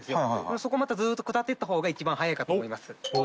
そこをまたずーっと下っていった方が一番早いかと思います。